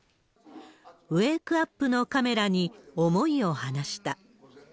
ウェークアップのカメラに思いを話した。